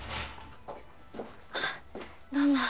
あっどうも。